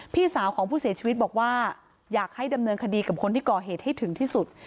พี่สาวของผู้เสียชีวิตบอกว่าอยากให้ดำเนินคดีกับคนที่ก่อเหตุให้ถึงที่สุด